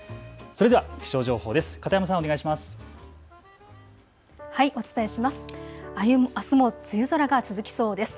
それでは気象情報です。